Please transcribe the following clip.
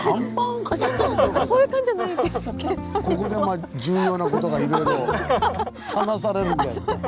ここで重要な事がいろいろ話されるんですから。